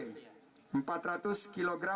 ini empat ratus kg